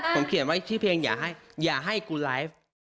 ผมเขียนไว้ชื่อเพลงอย่าให้กูไลฟ์